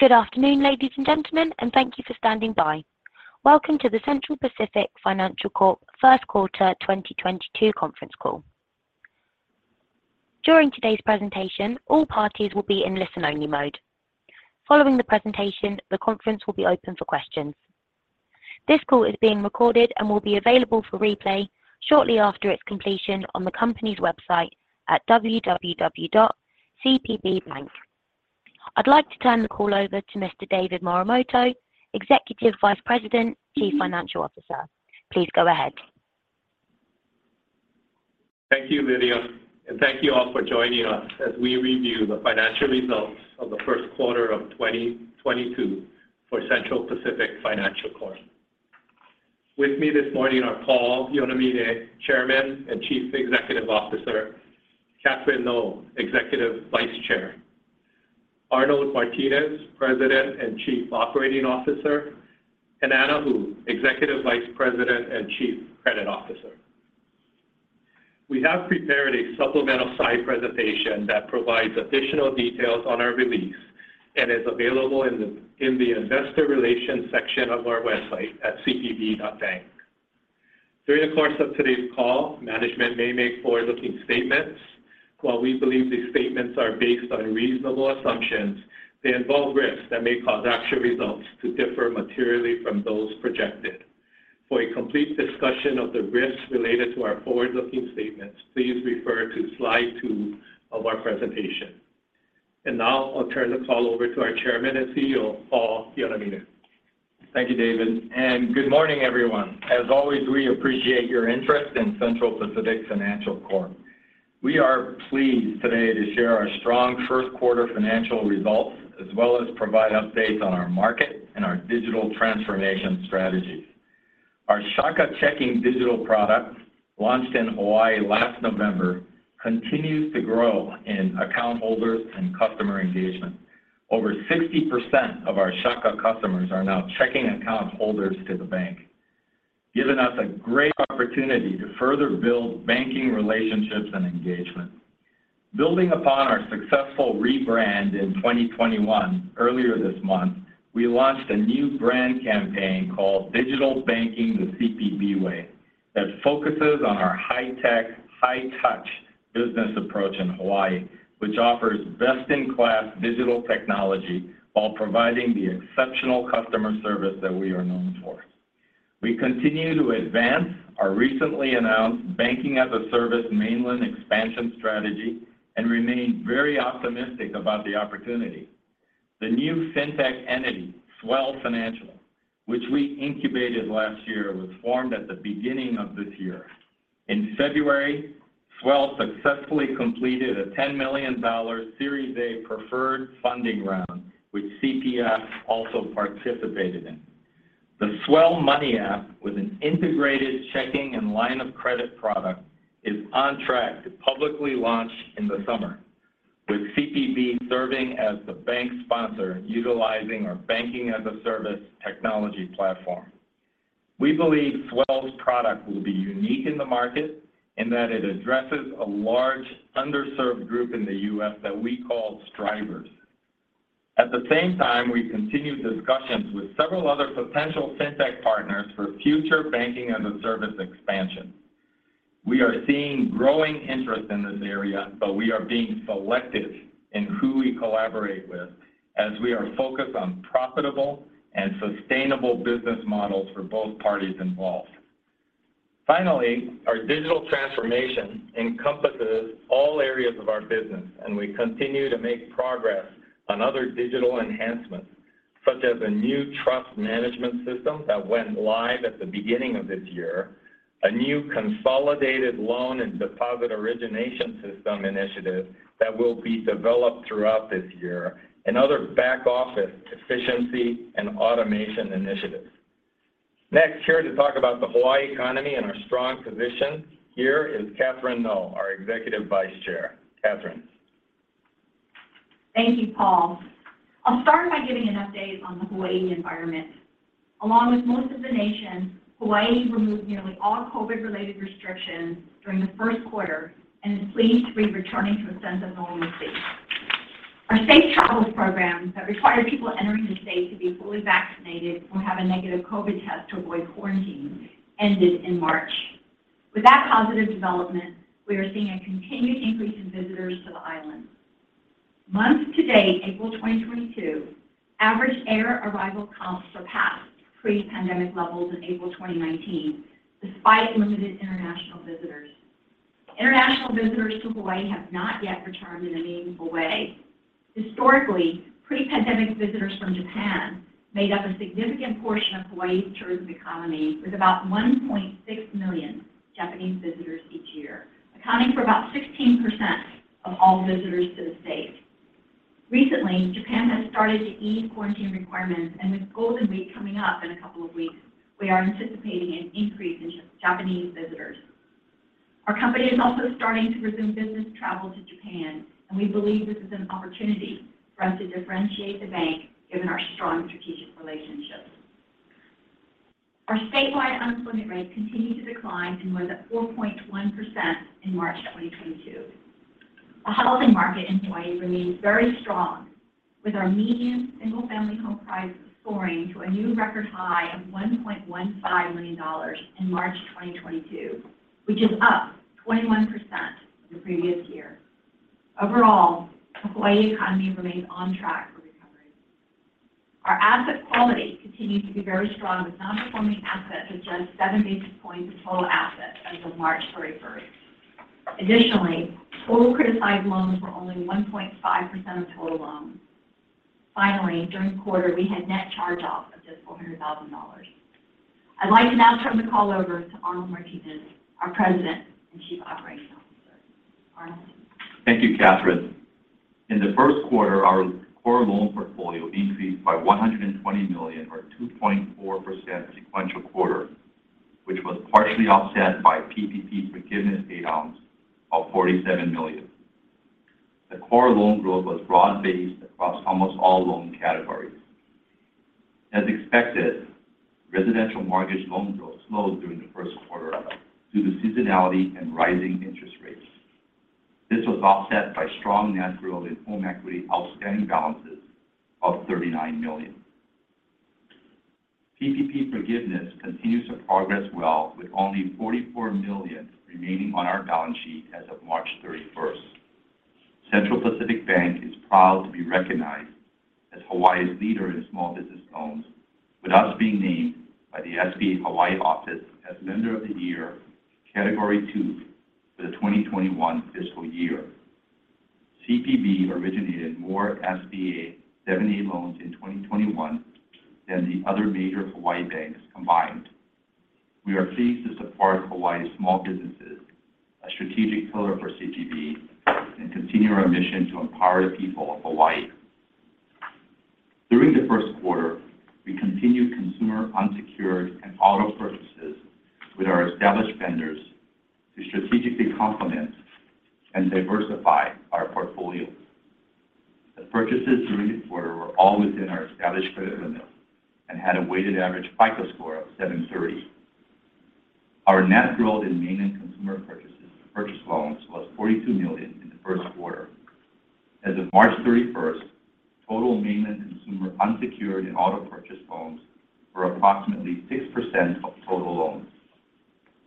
Good afternoon, ladies and gentlemen, and thank you for standing by. Welcome to the Central Pacific Financial Corp. First Quarter 2022 conference call. During today's presentation, all parties will be in listen-only mode. Following the presentation, the conference will be open for questions. This call is being recorded and will be available for replay shortly after its completion on the company's website at www.cpb.bank. I'd like to turn the call over to Mr. David Morimoto, Executive Vice President, Chief Financial Officer. Please go ahead. Thank you, Lydia, and thank you all for joining us as we review the financial results of the first quarter of 2022 for Central Pacific Financial Corporation. With me this morning are Paul Yonamine, Chairman and Chief Executive Officer, Catherine Ngo, Executive Vice Chair, Arnold Martines, President and Chief Operating Officer, and Anna Hu, Executive Vice President and Chief Credit Officer. We have prepared a supplemental slide presentation that provides additional details on our release and is available in the investor relations section of our website at cpb.bank. During the course of today's call, management may make forward-looking statements. While we believe these statements are based on reasonable assumptions, they involve risks that may cause actual results to differ materially from those projected. For a complete discussion of the risks related to our forward-looking statements, please refer to slide two of our presentation. Now I'll turn the call over to our Chairman and CEO, Paul Yonamine. Thank you, David, and good morning, everyone. As always, we appreciate your interest in Central Pacific Financial Corp. We are pleased today to share our strong first quarter financial results, as well as provide updates on our market and our digital transformation strategies. Our Shaka Checking digital product, launched in Hawaii last November, continues to grow in account holders and customer engagement. Over 60% of our Shaka customers are now checking account holders to the bank, giving us a great opportunity to further build banking relationships and engagement. Building upon our successful rebrand in 2021, earlier this month, we launched a new brand campaign called Digital Banking the CPB Way that focuses on our high-tech, high-touch business approach in Hawaii, which offers best-in-class digital technology while providing the exceptional customer service that we are known for. We continue to advance our recently announced Banking-as-a-Service mainland expansion strategy and remain very optimistic about the opportunity. The new fintech entity, Swell Financial, which we incubated last year, was formed at the beginning of this year. In February, Swell successfully completed a $10 million Series A preferred funding round, which CPF also participated in. The Swell Money app, with an integrated checking and line of credit product, is on track to publicly launch in the summer, with CPB serving as the bank sponsor utilizing our Banking-as-a-Service technology platform. We believe Swell's product will be unique in the market and that it addresses a large underserved group in the U.S. that we call strivers. At the same time, we continue discussions with several other potential fintech partners for future Banking-as-a-Service expansion. We are seeing growing interest in this area, but we are being selective in who we collaborate with as we are focused on profitable and sustainable business models for both parties involved. Finally, our digital transformation encompasses all areas of our business, and we continue to make progress on other digital enhancements, such as a new Trust Management system that went live at the beginning of this year, a new consolidated loan and deposit origination system initiative that will be developed throughout this year, and other back office efficiency and automation initiatives. Next, here to talk about the Hawaii economy and our strong position, here is Catherine Ngo, our Executive Vice Chair. Catherine. Thank you, Paul. I'll start by giving an update on the Hawaii environment. Along with most of the nation, Hawaii removed nearly all COVID-related restrictions during the first quarter and is pleased to be returning to a sense of normalcy. Our Safe Travels program that required people entering the state to be fully vaccinated or have a negative COVID test to avoid quarantine ended in March. With that positive development, we are seeing a continued increase in visitors to the islands. Month to date, April 2022, average air arrival counts surpassed pre-pandemic levels in April 2019 despite limited international visitors. International visitors to Hawaii have not yet returned in a meaningful way. Historically, pre-pandemic visitors from Japan made up a significant portion of Hawaii's tourism economy, with about 1.6 million Japanese visitors each year, accounting for about 16% of all visitors to the state. Recently, Japan has started to ease quarantine requirements, and with Golden Week coming up in a couple of weeks, we are anticipating an increase in Japanese visitors. Our company is also starting to resume business travel to Japan, and we believe this is an opportunity for us to differentiate the bank given our strong strategic relationships. Our statewide unemployment rate continued to decline and was at 4.1% in March 2022. The housing market in Hawaii remains very strong with our median single-family home price soaring to a new record high of $1.15 million in March 2022, which is up 21% from the previous year. Overall, Hawaii economy remains on track for recovery. Our asset quality continued to be very strong, with non-performing assets at just seven basis points of total assets as of March 31st. Additionally, total criticized loans were only 1.5% of total loans. Finally, during the quarter, we had net charge-offs of just $400,000. I'd like to now turn the call over to Arnold Martines, our President and Chief Operating Officer. Arnold? Thank you, Catherine. In the first quarter, our core loan portfolio increased by $120 million, or 2.4% sequential quarter, which was partially offset by PPP forgiveness payouts of $47 million. The core loan growth was broad-based across almost all loan categories. As expected, Residential Mortgage loan growth slowed during the first quarter due to seasonality and rising interest rates. This was offset by strong net growth in home equity outstanding balances of $39 million. PPP forgiveness continues to progress well, with only $44 million remaining on our balance sheet as of March 31st. Central Pacific Bank is proud to be recognized as Hawaii's leader in small business loans, with us being named by the SBA Hawaii office as Lender of the Year, Category 2 for the 2021 fiscal year. CPB originated more SBA 7(a) loans in 2021 than the other major Hawaii banks combined. We are pleased to support Hawaii's small businesses, a strategic pillar for CPB, and continue our mission to empower the people of Hawaii. During the first quarter, we continued consumer unsecured and auto purchases with our established vendors to strategically complement and diversify our portfolio. The purchases during the quarter were all within our established credit limits and had a weighted average FICO score of 730. Our net growth in mainland consumer purchases and purchase loans was $42 million in the first quarter. As of March 31st, total mainland consumer unsecured and auto purchase loans were approximately 6% of total loans.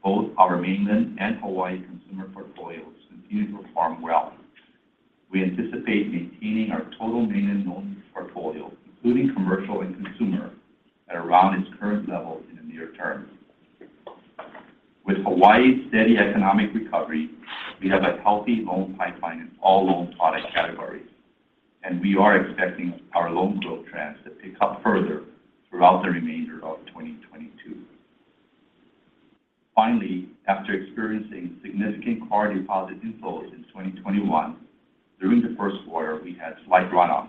Both our mainland and Hawaii consumer portfolios continued to perform well. We anticipate maintaining our total mainland loan portfolio, including commercial and consumer, at around its current level in the near term. With Hawaii's steady economic recovery, we have a healthy loan pipeline in all loan product categories, and we are expecting our loan growth trends to pick up further throughout the remainder of 2022. Finally, after experiencing significant core deposit inflows in 2021, during the first quarter, we had slight runoff,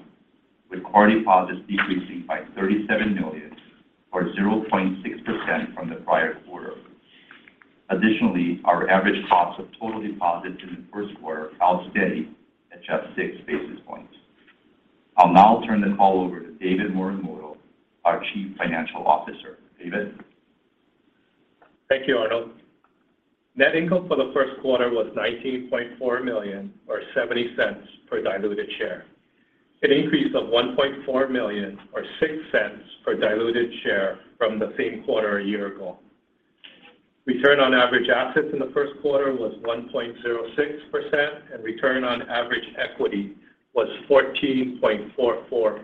with core deposits decreasing by $37 million, or 0.6% from the prior quarter. Additionally, our average cost of total deposits in the first quarter held steady at just 6 basis points. I'll now turn the call over to David Morimoto, our Chief Financial Officer. David? Thank you, Arnold. Net income for the first quarter was $19.4 million, or $0.70 per diluted share, an increase of $1.4 million, or $0.06 per diluted share from the same quarter a year ago. Return on average assets in the first quarter was 1.06%, and return on average equity was 14.44%.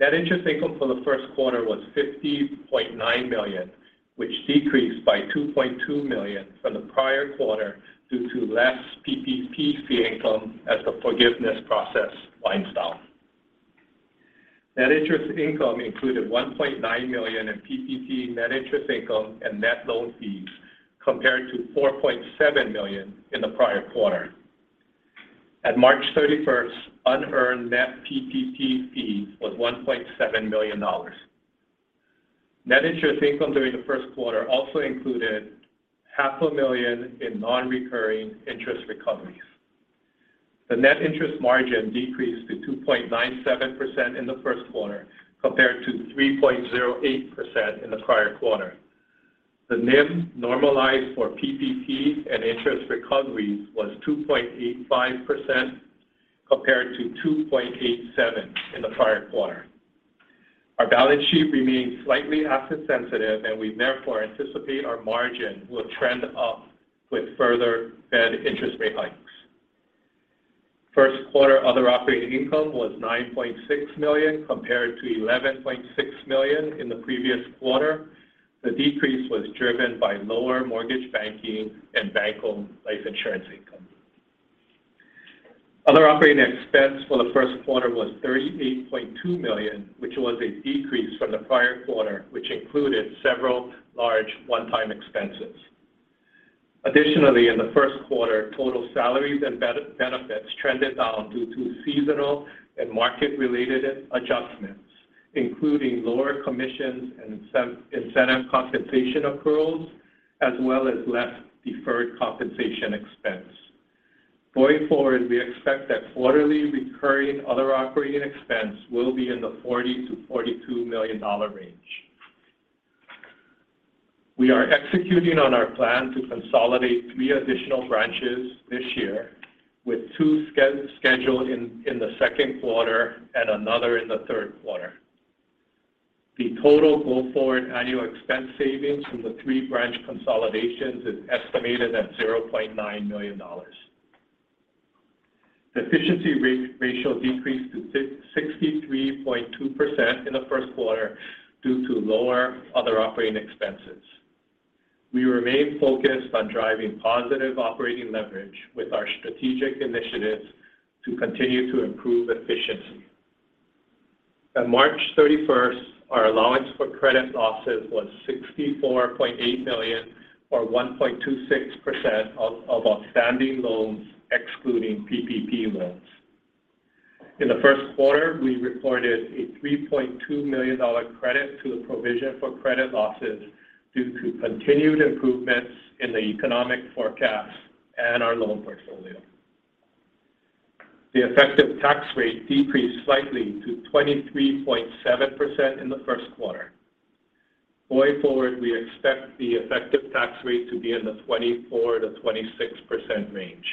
Net interest income for the first quarter was $50.9 million, which decreased by $2.2 million from the prior quarter due to less PPP fee income as the forgiveness process winds down. Net interest income included $1.9 million in PPP net interest income and net loan fees, compared to $4.7 million in the prior quarter. At March 31st, unearned net PPP fees was $1.7 million. Net interest income during the first quarter also included $500,000 in non-recurring interest recoveries. The net interest margin decreased to 2.97% in the first quarter, compared to 3.08% in the prior quarter. The NIM normalized for PPP and interest recoveries was 2.85%, compared to 2.87% in the prior quarter. Our balance sheet remains slightly asset sensitive, and we therefore anticipate our margin will trend up with further Fed interest rate hikes. First quarter other operating income was $9.6 million, compared to $11.6 million in the previous quarter. The decrease was driven by lower mortgage banking and bank-owned life insurance income. Other operating expense for the first quarter was $38.2 million, which was a decrease from the prior quarter, which included several large one-time expenses. Additionally, in the first quarter, total salaries and benefits trended down due to seasonal and market-related adjustments, including lower commissions and incentive compensation accruals, as well as less deferred compensation expense. Going forward, we expect that quarterly recurring other operating expense will be in the $40 million-$42 million range. We are executing on our plan to consolidate three additional branches this year, with two scheduled in the second quarter and another in the third quarter. The total go forward annual expense savings from the three branch consolidations is estimated at $0.9 million. The efficiency ratio decreased to 63.2% in the first quarter due to lower other operating expenses. We remain focused on driving positive operating leverage with our strategic initiatives to continue to improve efficiency. As of March 31st, our allowance for credit losses was $64.8 million, or 1.26% of outstanding loans, excluding PPP loans. In the first quarter, we reported a $3.2 million credit to the provision for credit losses due to continued improvements in the economic forecast and our loan portfolio. The effective tax rate decreased slightly to 23.7% in the first quarter. Going forward, we expect the effective tax rate to be in the 24%-26% range.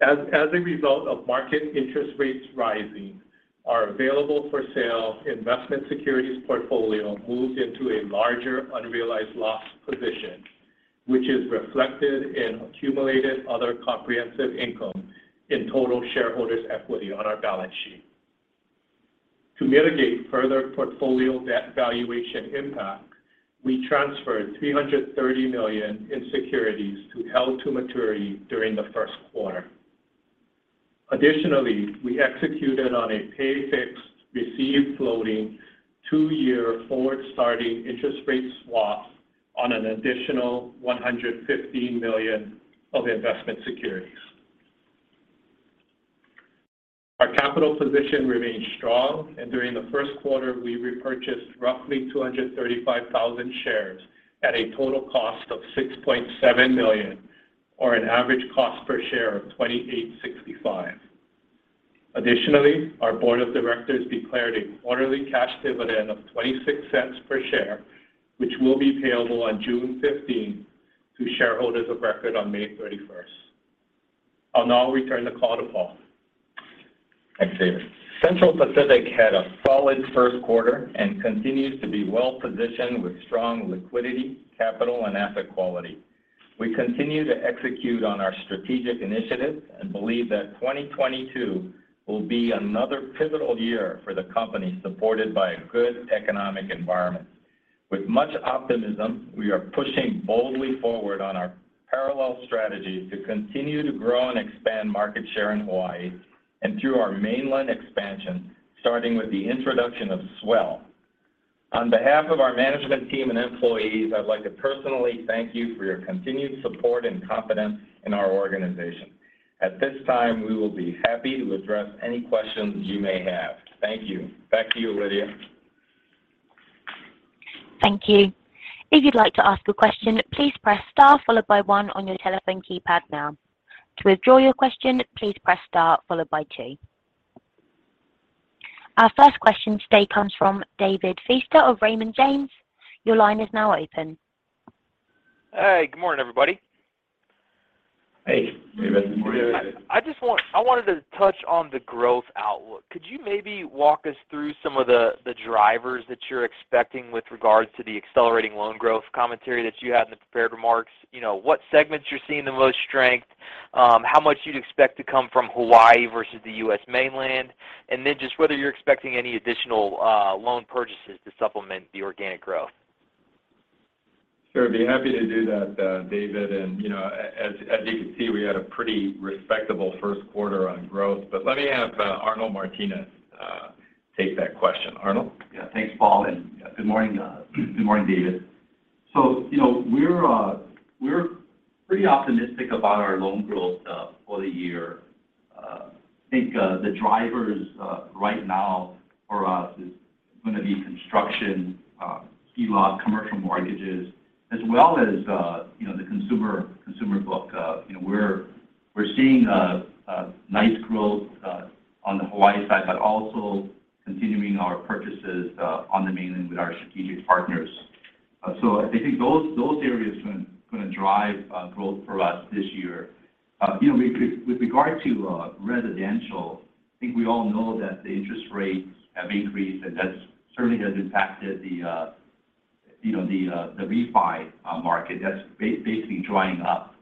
As a result of market interest rates rising, our available for sale investment securities portfolio moved into a larger unrealized loss position, which is reflected in accumulated other comprehensive income in total shareholders equity on our balance sheet. To mitigate further portfolio debt valuation impact, we transferred $330 million in securities to held to maturity during the first quarter. Additionally, we executed on a pay fixed, receive floating, two year forward starting interest rate swap on an additional $150 million of investment securities. Our capital position remains strong, and during the first quarter, we repurchased roughly 235,000 shares at a total cost of $6.7 million or an average cost per share of $28.65. Additionally, our board of directors declared a quarterly cash dividend of $0.26 per share, which will be payable on June 15 to shareholders of record on May 31st. I'll now return the call to Paul. Thanks, David. Central Pacific had a solid first quarter and continues to be well-positioned with strong liquidity, capital, and asset quality. We continue to execute on our strategic initiatives and believe that 2022 will be another pivotal year for the company, supported by a good economic environment. With much optimism, we are pushing boldly forward on our parallel strategies to continue to grow and expand market share in Hawaii and through our mainland expansion, starting with the introduction of Swell. On behalf of our management team and employees, I'd like to personally thank you for your continued support and confidence in our organization. At this time, we will be happy to address any questions you may have. Thank you. Back to you, Lydia. Thank you. If you'd like to ask a question, please press star followed by one on your telephone keypad now. To withdraw your question, please press star followed by two. Our first question today comes from David Feaster of Raymond James. Your line is now open. Hey, good morning, everybody. Hey. Good morning, David. I wanted to touch on the growth outlook. Could you maybe walk us through some of the drivers that you're expecting with regards to the accelerating loan growth commentary that you had in the prepared remarks? You know, what segments you're seeing the most strength, how much you'd expect to come from Hawaii versus the U.S. mainland, and then just whether you're expecting any additional loan purchases to supplement the organic growth. Sure. I'd be happy to do that, David. You know, as you can see, we had a pretty respectable first quarter on growth. Let me have Arnold Martines take that question. Arnold? Yeah. Thanks, Paul, and good morning. Good morning, David. You know, we're pretty optimistic about our loan growth for the year. I think the drivers right now for us is going to be construction, C&I, commercial mortgages, as well as, you know, the consumer book. You know, we're seeing a nice growth on the Hawaii side, but also continuing our purchases on the mainland with our strategic partners. I think those areas are gonna drive growth for us this year. You know, with regard to residential, I think we all know that the interest rates have increased, and that certainly has impacted the refi market. That's basically drying up.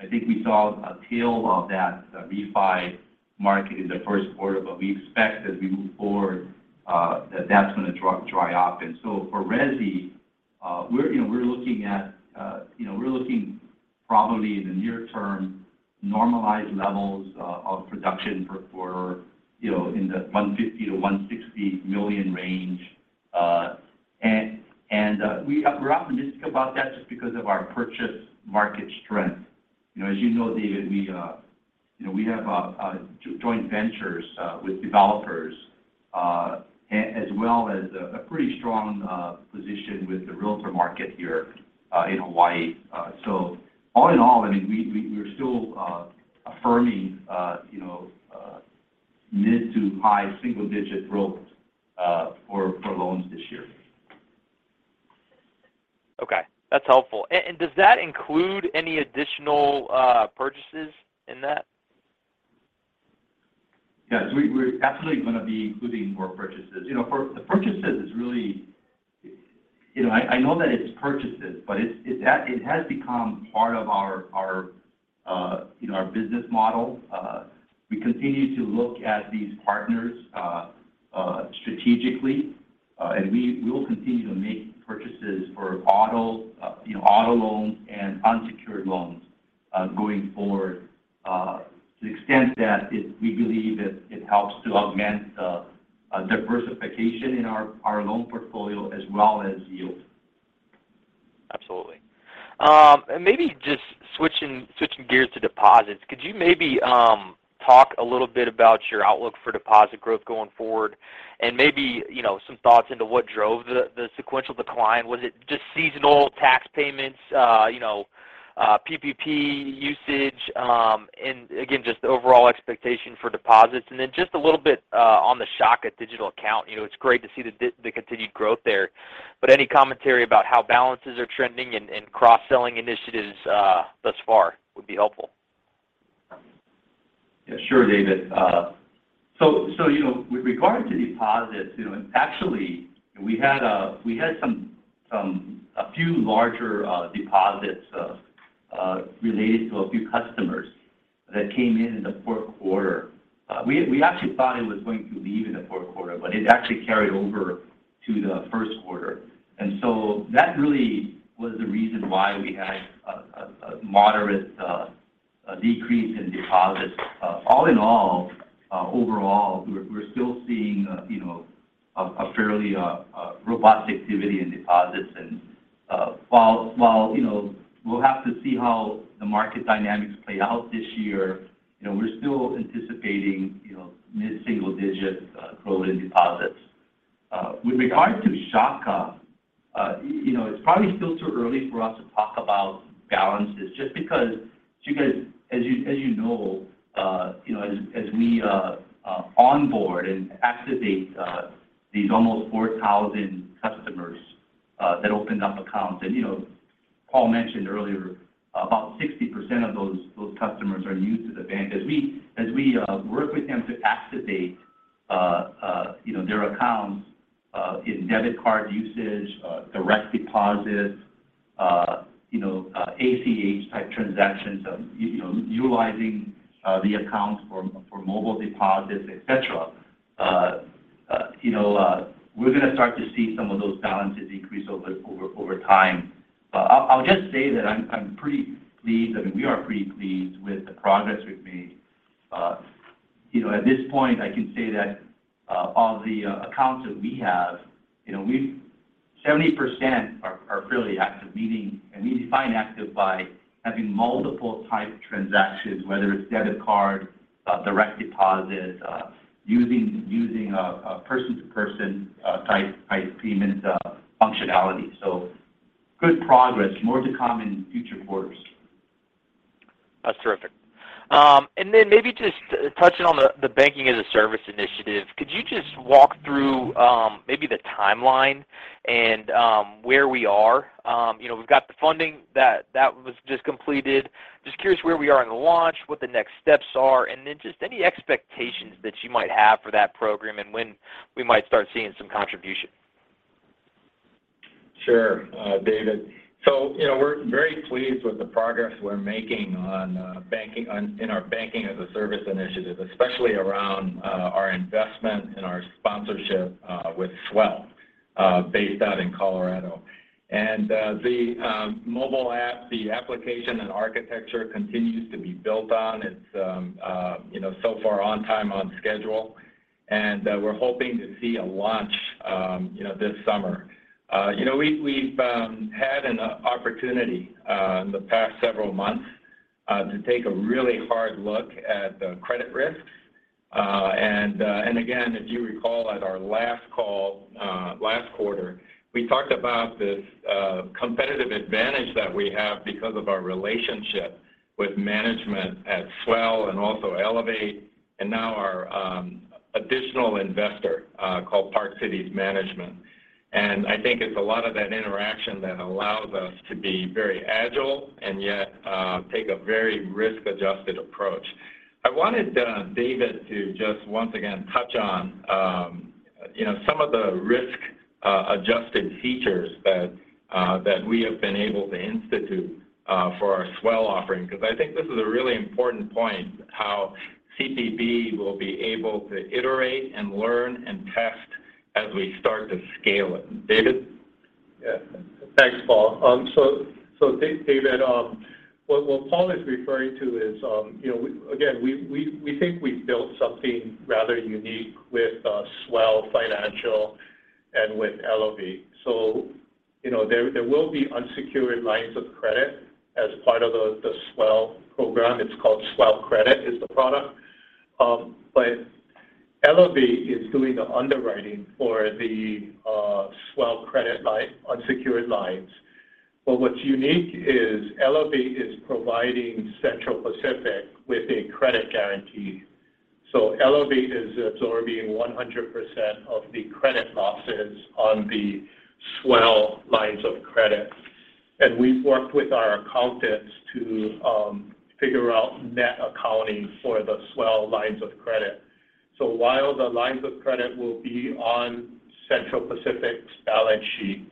I think we saw a tail of that refi market in the first quarter, but we expect as we move forward that that's going to dry up. For resi, we're looking probably in the near term at normalized levels of production for, you know, in the $150 million-$160 million range. We're optimistic about that just because of our purchase market strength. You know, as you know, David, you know, we have joint ventures with developers as well as a pretty strong position with the realtor market here in Hawaii. All in all, I mean, we're still affirming, you know, mid to high single-digit growth for loans this year. Okay. That's helpful. Does that include any additional purchases in that? Yes. We're absolutely gonna be including more purchases. You know, for the purchases is really, you know. I know that it's purchases, but it has become part of our business model. We continue to look at these partners strategically, and we will continue to make purchases for auto loans and unsecured loans going forward, to the extent that we believe it helps to augment the diversification in our loan portfolio as well as yield. Absolutely. Maybe just switching gears to deposits, could you maybe talk a little bit about your outlook for deposit growth going forward and maybe, you know, some thoughts into what drove the sequential decline? Was it just seasonal tax payments, you know, PPP usage, and again, just the overall expectation for deposits? Just a little bit on the Shaka digital account. You know, it's great to see the continued growth there, but any commentary about how balances are trending and cross-selling initiatives thus far would be helpful. Sure, David. So, you know, with regard to deposits, you know, and actually, we had a few larger deposits related to a few customers that came in in the fourth quarter. We actually thought it was going to leave in the fourth quarter, but it actually carried over to the first quarter. That really was the reason why we had a moderate decrease in deposits. All in all, overall, we're still seeing, you know, a fairly robust activity in deposits and, while, you know, we'll have to see how the market dynamics play out this year, you know, we're still anticipating, you know, mid-single digit growth in deposits. With regards to Shaka, you know, it's probably still too early for us to talk about balances just because, as you know, as we onboard and activate these almost 4,000 customers that opened up accounts and, you know, Paul mentioned earlier, about 60% of those customers are new to the bank. As we work with them to activate their accounts in debit card usage, direct deposit, you know, ACH-type transactions of utilizing the accounts for mobile deposits, et cetera, you know, we're gonna start to see some of those balances increase over time. I'll just say that I'm pretty pleased, I mean, we are pretty pleased with the progress we've made. You know, at this point, I can say that of the accounts that we have, you know, 70% are fairly active, meaning we define active by having multiple type transactions, whether it's debit card, direct deposits, using a person-to-person type payment functionality. Good progress. More to come in future quarters. That's terrific. Maybe just touching on the Banking-as-a-Service initiative, could you just walk through maybe the timeline and where we are? You know, we've got the funding that was just completed. Just curious where we are in the launch, what the next steps are, and then just any expectations that you might have for that program and when we might start seeing some contribution. Sure, David. You know, we're very pleased with the progress we're making on in our Banking-as-a-Service initiative, especially around our investment and our sponsorship with Swell based out in Colorado. The mobile app, the application and architecture continues to be built on. It's you know, so far on time, on schedule, and we're hoping to see a launch you know, this summer. You know, we've had an opportunity in the past several months to take a really hard look at the credit risk. Again, if you recall at our last call last quarter, we talked about this competitive advantage that we have because of our relationship with management at Swell and also Elevate, and now our additional investor called Park Cities Asset Management. I think it's a lot of that interaction that allows us to be very agile and yet take a very risk-adjusted approach. I wanted David to just once again touch on you know some of the risk-adjusted features that we have been able to institute for our Swell offering, because I think this is a really important point, how CPB will be able to iterate and learn and test as we start to scale it. David? Yeah. Thanks, Paul. David, what Paul is referring to is, you know, again, we think we've built something rather unique with Swell Financial and with Elevate. You know, there will be unsecured lines of credit as part of the Swell program. It's called Swell Credit, the product. Elevate is doing the underwriting for the Swell credit line, unsecured lines. What's unique is Elevate is providing Central Pacific with a credit guarantee. Elevate is absorbing 100% of the credit losses on the Swell lines of credit. We've worked with our accountants to figure out net accounting for the Swell lines of credit. While the lines of credit will be on Central Pacific's balance sheet,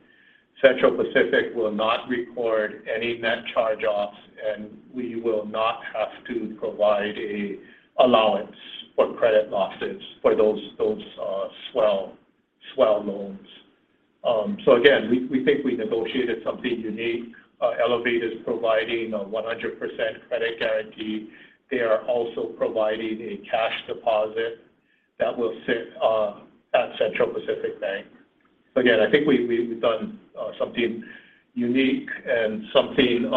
Central Pacific will not record any net charge-offs, and we will not have to provide an allowance for credit losses for those Swell loans. Again, we think we negotiated something unique. Elevate is providing a 100% credit guarantee. They are also providing a cash deposit that will sit at Central Pacific Bank. Again, I think we've done something unique and something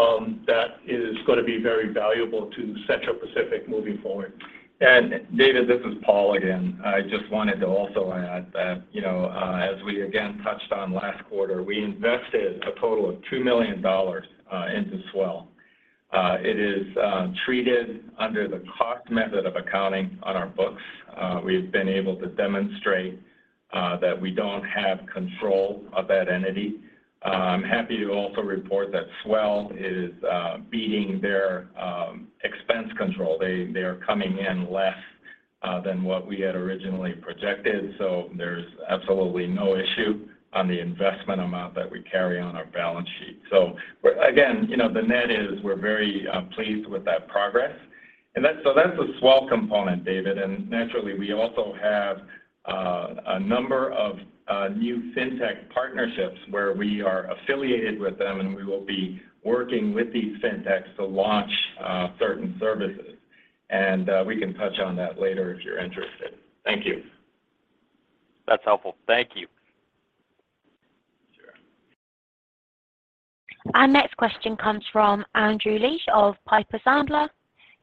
that is gonna be very valuable to Central Pacific moving forward. David, this is Paul again. I just wanted to also add that, you know, as we again touched on last quarter, we invested a total of $2 million into Swell. It is treated under the cost method of accounting on our books. We've been able to demonstrate that we don't have control of that entity. Happy to also report that Swell is beating their expense control. They are coming in less than what we had originally projected, so there's absolutely no issue on the investment amount that we carry on our balance sheet. We're again, you know, the net is we're very pleased with that progress. That's the Swell component, David. Naturally, we also have a number of new fintech partnerships where we are affiliated with them, and we will be working with these fintechs to launch certain services. We can touch on that later if you're interested. Thank you. That's helpful. Thank you. Our next question comes from Andrew Liesch of Piper Sandler.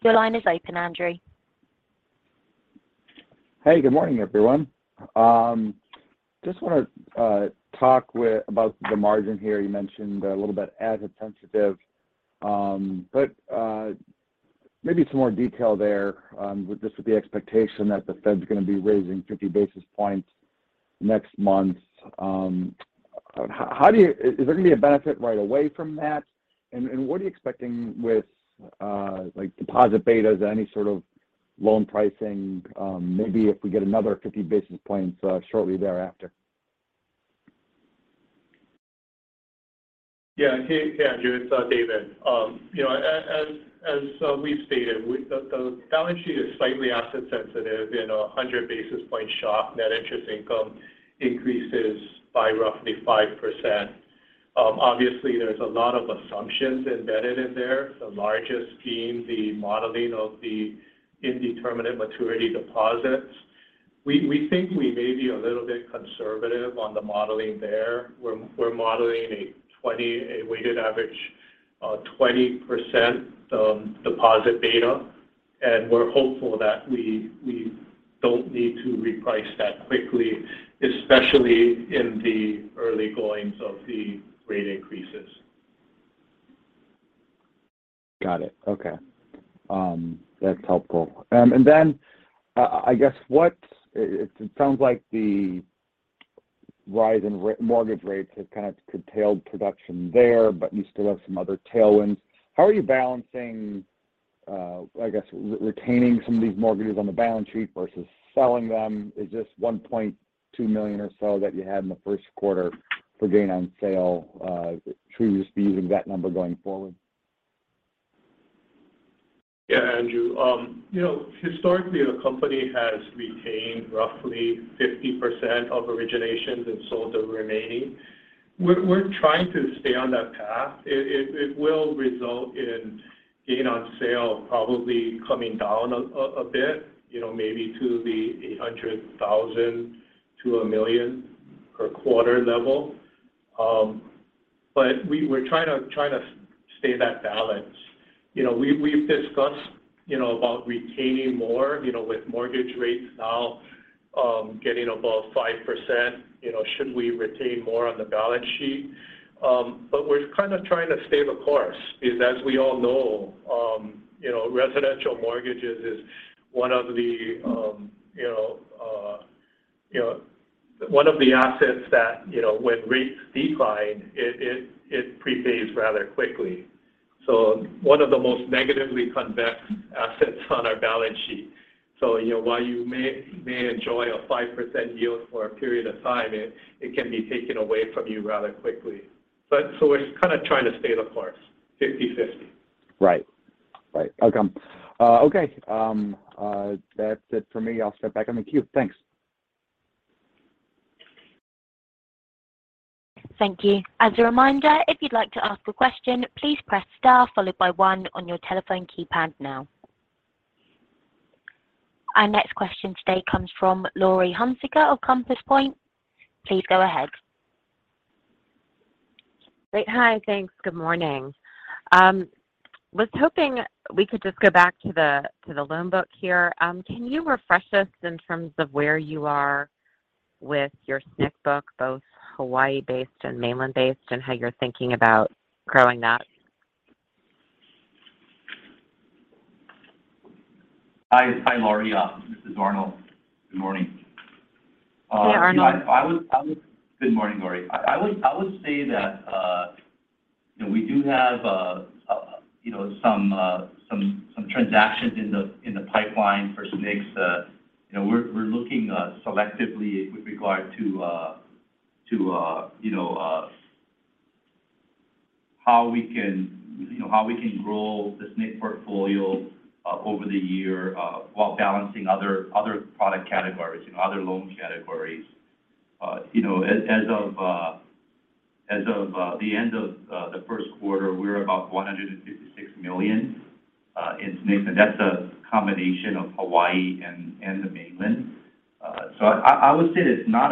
Your line is open, Andrew. Hey, good morning, everyone. Just wanna talk about the margin here. You mentioned a little bit asset sensitive. But maybe some more detail there with the expectation that the Fed's gonna be raising 50 basis points next month. How do you. Is there gonna be a benefit right away from that? And what are you expecting with like deposit betas? Any sort of loan pricing maybe if we get another 50 basis points shortly thereafter? Yeah. Hey, Andrew. It's David. You know, as we've stated, the balance sheet is slightly asset sensitive. In a 100 basis point shock, net interest income increases by roughly 5%. Obviously there's a lot of assumptions embedded in there, the largest being the modeling of the indeterminate maturity deposits. We think we may be a little bit conservative on the modeling there. We're modeling a weighted average 20% deposit beta. We're hopeful that we don't need to reprice that quickly, especially in the early goings of the rate increases. Got it. Okay. That's helpful. I guess it sounds like the rise in mortgage rates have kind of curtailed production there, but you still have some other tailwinds. How are you balancing, I guess retaining some of these mortgages on the balance sheet versus selling them? Is this $1.2 million or so that you had in the first quarter for gain on sale, should we just be using that number going forward? Yeah, Andrew. You know, historically the company has retained roughly 50% of originations and sold the remaining. We're trying to stay on that path. It will result in gain on sale probably coming down a bit, you know, maybe to the $800,000 to $1 million per quarter level. But we're trying to stay that balance. You know, we've discussed you know about retaining more, you know. With mortgage rates now getting above 5%, you know, should we retain more on the balance sheet? But we're kind of trying to stay the course because as we all know, you know, Residential Mortgages is one of the assets that, you know, when rates decline, it prepays rather quickly. One of the most negatively convex assets on our balance sheet. You know, while you may enjoy a 5% yield for a period of time, it can be taken away from you rather quickly. We're kind of trying to stay the course, 50/50. Right. Okay. That's it for me. I'll step back on the queue. Thanks. Thank you. As a reminder, if you'd like to ask a question, please press star followed by one on your telephone keypad now. Our next question today comes from Laurie Hunsicker of Compass Point. Please go ahead. Great. Hi. Thanks. Good morning. I was hoping we could just go back to the loan book here. Can you refresh us in terms of where you are with your SNC book, both Hawaii-based and mainland-based, and how you're thinking about growing that? Hi. Hi, Laurie. This is Arnold. Good morning. Hey, Arnold. Good morning, Laurie. I would say that, you know, we do have, you know, some transactions in the pipeline for SNCs. You know, we're looking selectively with regard to, you know, how we can grow the SNC portfolio over the year while balancing other product categories, you know, other loan categories. You know, as of the end of the first quarter, we were about $156 million in SNC. That's a combination of Hawaii and the mainland. I would say it's not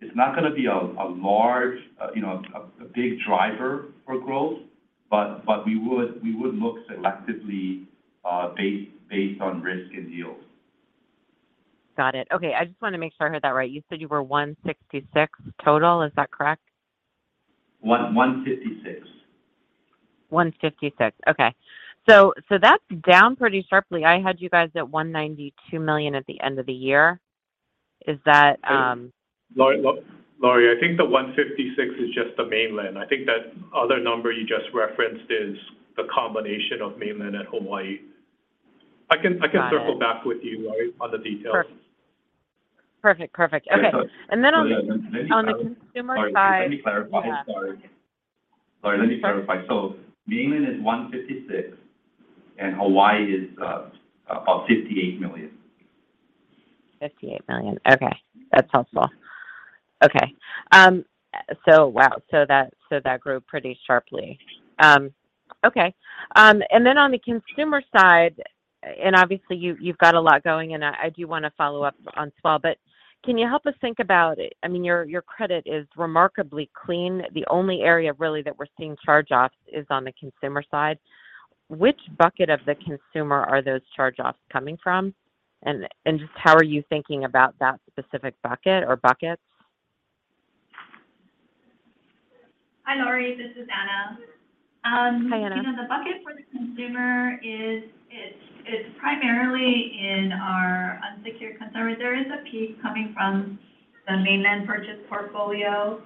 gonna be a large, you know, a big driver for growth, but we would look selectively based on risk and yield. Got it. Okay. I just wanna make sure I heard that right. You said you were $166 total. Is that correct? $156 million. $156 million. Okay. That's down pretty sharply. I had you guys at $192 million at the end of the year. Is that Laurie, I think the $156 million is just the mainland. I think that other number you just referenced is the combination of mainland and Hawaii. I can Got it. Circle back with you, Laurie, on the details. Perfect. Okay. Sorry. On the consumer side. Laurie, let me clarify. Yeah. Sorry, let me clarify. The mainland is $156 million, and Hawaii is about $58 million. $58 million. Okay. That's helpful. Okay. Wow. That grew pretty sharply. Okay. Then on the consumer side, obviously you've got a lot going. I do wanna follow up on Swell, but can you help us think about. I mean, your credit is remarkably clean. The only area really that we're seeing charge-offs is on the consumer side. Which bucket of the consumer are those charge-offs coming from? Just how are you thinking about that specific bucket or buckets? Hi, Laurie. This is Anna. Hi, Anna. You know, the bucket for the consumer is it's primarily in our unsecured consumer. There is a piece coming from the mainland purchase portfolio.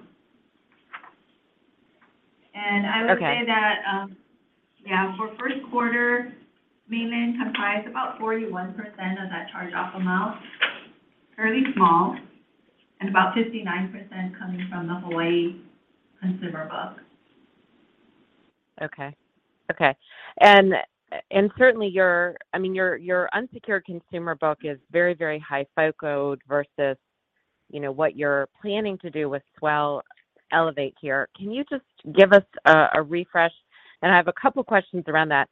I would say that- Okay. Yeah, for first quarter, mainland comprised about 41% of that charge-off amount, fairly small, and about 59% coming from the Hawaii consumer book. Okay. Certainly your—I mean, your unsecured consumer book is very, very high FICO versus, you know, what you're planning to do with Swell, Elevate here. Can you just give us a refresh? I have a couple questions around that.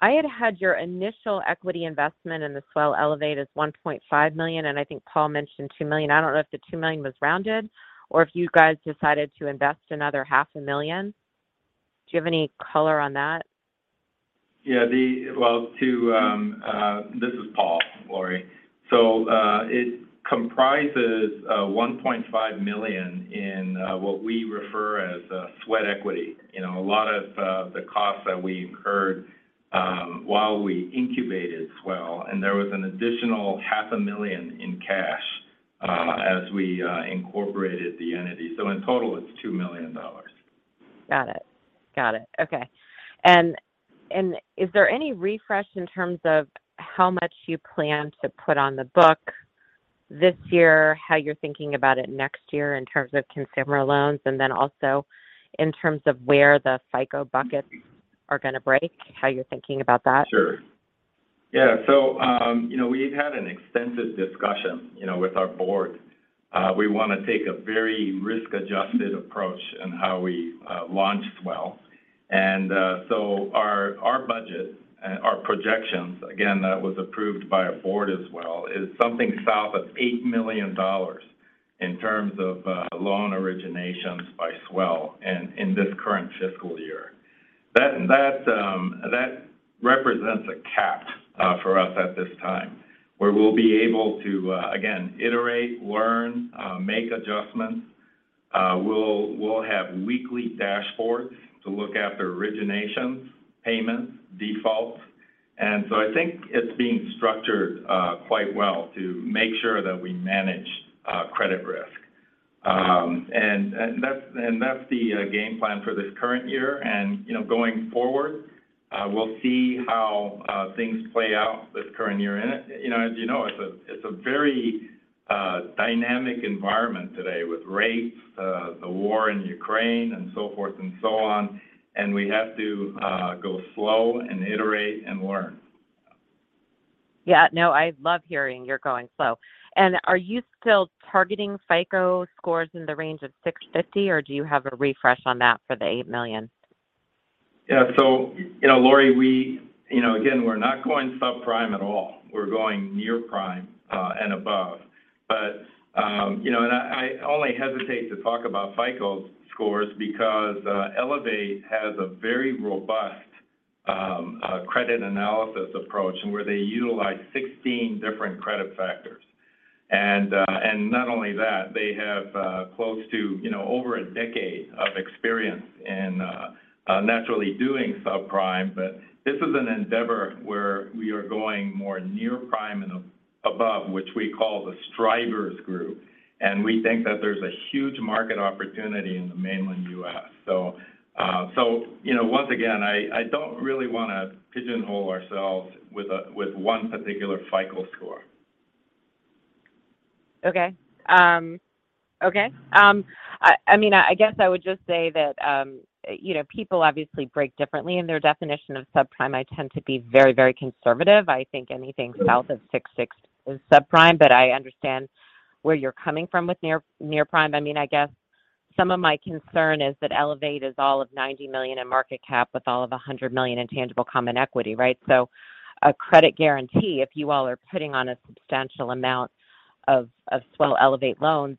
I had your initial equity investment in the Swell, Elevate as $1.5 million, and I think Paul mentioned $2 million. I don't know if the $2 million was rounded or if you guys decided to invest another $500,00. Do you have any color on that? This is Paul, Laurie. It comprises $1.5 million in what we refer to as sweat equity. You know, a lot of the costs that we incurred while we incubated Swell, and there was an additional half a million in cash as we incorporated the entity. In total it's $2 million. Got it. Okay. Is there any refresh in terms of how much you plan to put on the book this year, how you're thinking about it next year in terms of consumer loans, and then also in terms of where the FICO buckets are gonna break, how you're thinking about that? Sure. Yeah. You know, we've had an extensive discussion, you know, with our board. We wanna take a very risk-adjusted approach in how we launch Swell. Our budget and our projections, again, that was approved by our board as well, is something south of $8 million in terms of loan originations by Swell in this current fiscal year. That represents a cap for us at this time, where we'll be able to again, iterate, learn, make adjustments. We'll have weekly dashboards to look at the originations, payments, defaults. I think it's being structured quite well to make sure that we manage credit risk. That's the game plan for this current year. You know, going forward, we'll see how things play out this current year. You know, as you know, it's a very dynamic environment today with rates, the war in Ukraine and so forth and so on, and we have to go slow and iterate and learn. Yeah. No, I love hearing you're going slow. Are you still targeting FICO scores in the range of 650 or do you have a refresh on that for the $8 million? Yeah. You know, Laurie, we you know again we're not going sub-prime at all. We're going near-prime and above. You know and I only hesitate to talk about FICO scores because Elevate has a very robust credit analysis approach and where they utilize 16 different credit factors. Not only that, they have close to you know over a decade of experience in naturally doing sub-prime. This is an endeavor where we are going more near-prime and above, which we call the strivers group, and we think that there's a huge market opportunity in the mainland U.S. You know once again I don't really wanna pigeonhole ourselves with one particular FICO score. Okay. I mean, I guess I would just say that, you know, people obviously break differently in their definition of sub-prime. I tend to be very, very conservative. I think anything south of 660 is sub-prime, but I understand where you're coming from with near-prime. I mean, I guess some of my concern is that Elevate is all of $90 million in market cap with all of $100 million in tangible common equity, right? So a credit guarantee, if you all are putting on a substantial amount of Swell Elevate loans,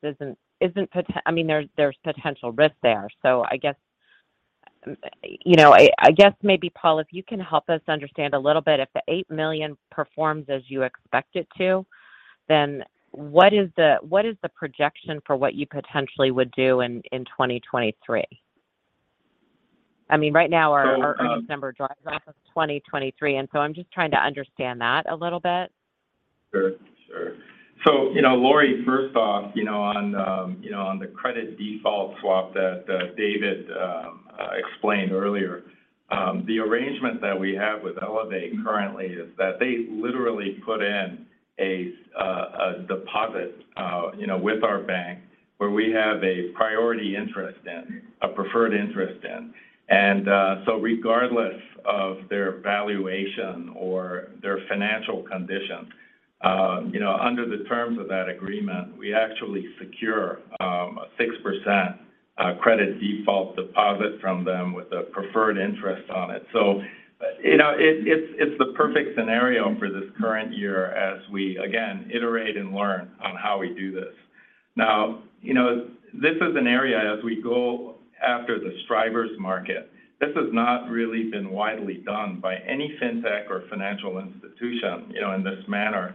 I mean, there's potential risk there. I guess, you know, I guess maybe, Paul, if you can help us understand a little bit, if the $8 million performs as you expect it to, then what is the projection for what you potentially would do in 2023? I mean, right now our December derives off of 2023. I'm just trying to understand that a little bit. Sure, you know, Laurie, first off, you know, on the credit default swap that David explained earlier, the arrangement that we have with Elevate currently is that they literally put in a deposit with our bank where we have a priority interest in, a preferred interest in. Regardless of their valuation or their financial condition, you know, under the terms of that agreement, we actually secure a 6% credit default deposit from them with a preferred interest on it. It's the perfect scenario for this current year as we again iterate and learn on how we do this. This is an area as we go after the strivers market. This has not really been widely done by any fintech or financial institution, you know, in this manner.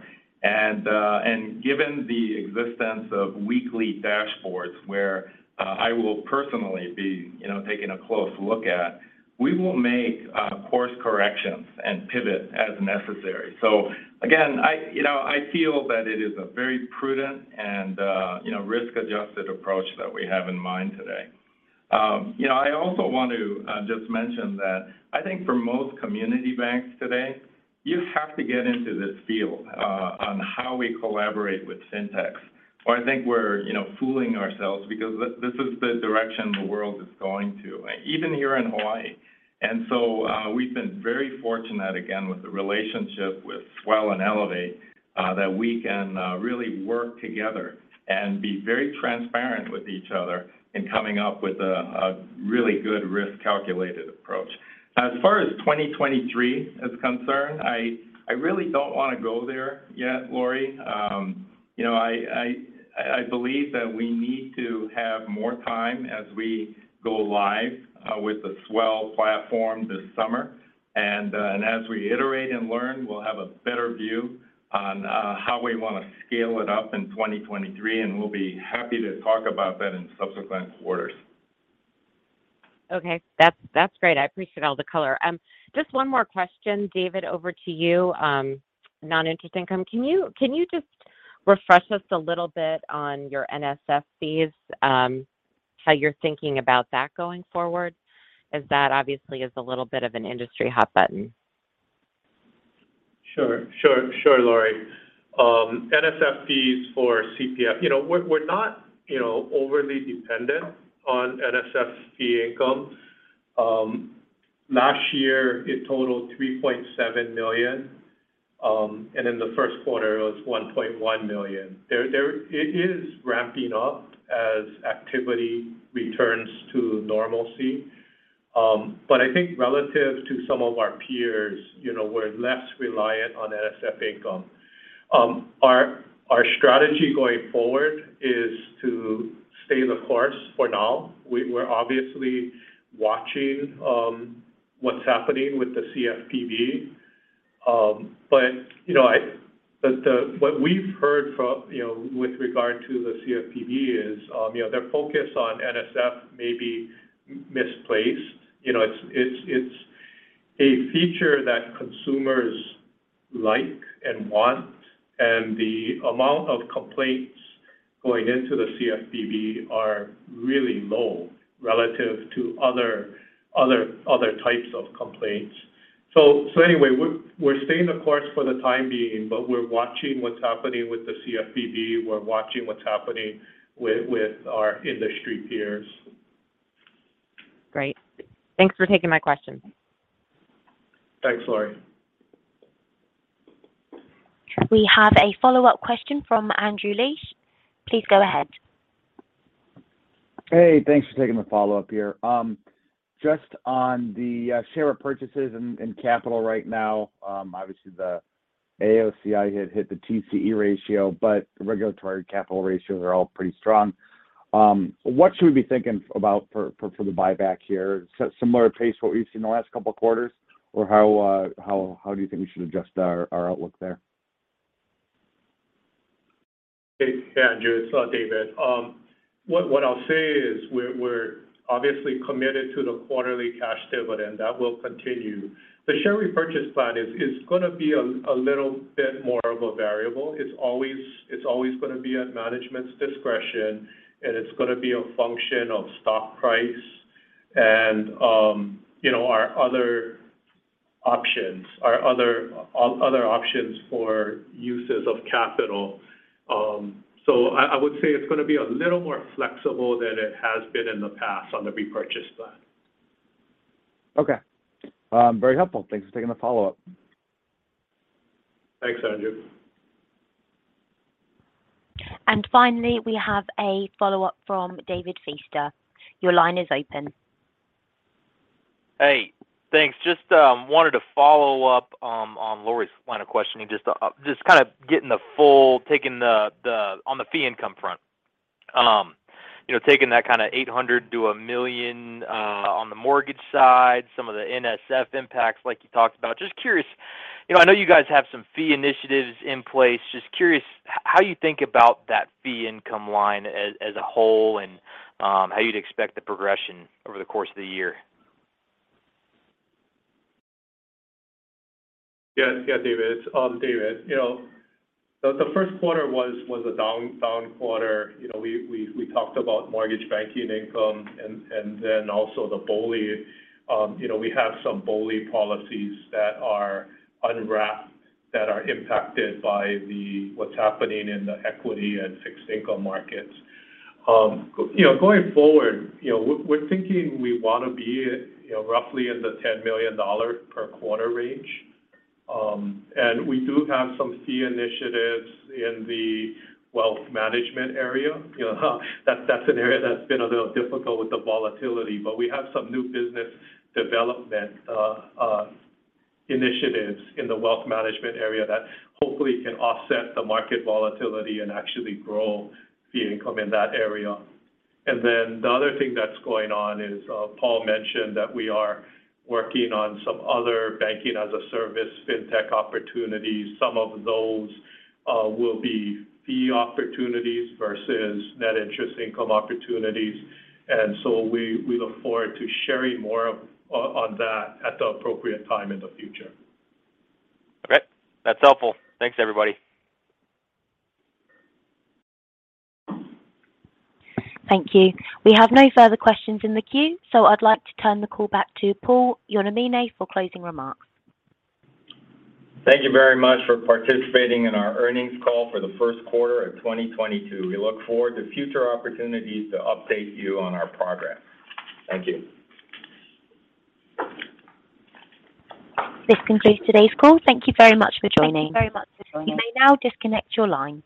Given the existence of weekly dashboards where I will personally be, you know, taking a close look at, we will make course corrections and pivot as necessary. Again, I you know I feel that it is a very prudent and you know risk-adjusted approach that we have in mind today. You know, I also want to just mention that I think for most community banks today, you have to get into this field on how we collaborate with fintechs. I think we're, you know, fooling ourselves because this is the direction the world is going to, even here in Hawaii. We've been very fortunate again with the relationship with Swell and Elevate, that we can really work together and be very transparent with each other in coming up with a really good risk-calculated approach. As far as 2023 is concerned, I really don't wanna go there yet, Laurie. You know, I believe that we need to have more time as we go live with the Swell platform this summer. As we iterate and learn, we'll have a better view on how we wanna scale it up in 2023, and we'll be happy to talk about that in subsequent quarters. Okay. That's great. I appreciate all the color. Just one more question, David, over to you. Non-interest income. Can you just refresh us a little bit on your NSF fees, how you're thinking about that going forward? As that obviously is a little bit of an industry hot button. Sure, Laurie. NSF fees for CPF. You know, we're not, you know, overly dependent on NSF fee income. Last year it totaled $3.7 million, and in the first quarter it was $1.1 million. It is ramping up as activity returns to normalcy. But I think relative to some of our peers, you know, we're less reliant on NSF income. Our strategy going forward is to stay the course for now. We're obviously watching what's happening with the CFPB. But, you know, what we've heard from, you know, with regard to the CFPB is, you know, their focus on NSF may be misplaced. You know, it's a feature that consumers like and want, and the amount of complaints going into the CFPB are really low relative to other types of complaints. Anyway, we're staying the course for the time being, but we're watching what's happening with the CFPB. We're watching what's happening with our industry peers. Great. Thanks for taking my questions. Thanks, Laurie. We have a follow-up question from Andrew Liesch. Please go ahead. Hey, thanks for taking the follow-up here. Just on the share of purchases and capital right now, obviously the AOCI had hit the TCE ratio, but regulatory capital ratios are all pretty strong. What should we be thinking about for the buyback here, similar pace to what we've seen in the last couple of quarters, or how do you think we should adjust our outlook there? Hey, Andrew. It's David. What I'll say is we're obviously committed to the quarterly cash dividend. That will continue. The share repurchase plan is gonna be a little bit more of a variable. It's always gonna be at management's discretion, and it's gonna be a function of stock price and, you know, our other options for uses of capital. I would say it's gonna be a little more flexible than it has been in the past on the repurchase plan. Okay. Very helpful. Thanks for taking the follow-up. Thanks, Andrew. Finally, we have a follow-up from David Feaster. Your line is open. Hey, thanks. Just wanted to follow up on Lori's line of questioning. Just kind of on the fee income front. You know, taking that kind of $800,000 to $1 million on the mortgage side, some of the NSF impacts like you talked about. Just curious, you know, I know you guys have some fee initiatives in place. Just curious how you think about that fee income line as a whole and how you'd expect the progression over the course of the year. Yes. Yes, David. David, you know, the first quarter was a down quarter. You know, we talked about mortgage banking income and then also the BOLI. You know, we have some BOLI policies that are unwrapped, that are impacted by what's happening in the equity and fixed income markets. You know, going forward, you know, we're thinking we wanna be, you know, roughly in the $10 million per quarter range. And we do have some fee initiatives in the Wealth Management area. You know, that's an area that's been a little difficult with the volatility. But we have some new business development initiatives in the Wealth Management area that hopefully can offset the market volatility and actually grow fee income in that area. The other thing that's going on is Paul mentioned that we are working on some other Banking-as-a-Service fintech opportunities. Some of those will be fee opportunities versus net interest income opportunities. We look forward to sharing more on that at the appropriate time in the future. Okay. That's helpful. Thanks, everybody. Thank you. We have no further questions in the queue, so I'd like to turn the call back to Paul Yonamine for closing remarks. Thank you very much for participating in our earnings call for the first quarter of 2022. We look forward to future opportunities to update you on our progress. Thank you. This concludes today's call. Thank you very much for joining. You may now disconnect your lines.